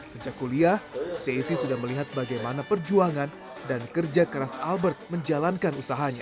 sejak kuliah stacey sudah melihat bagaimana perjuangan dan kerja keras albert menjalankan usahanya